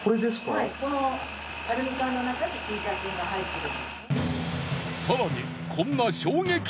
はいこのアルミ管の中にヒーター線が入ってる。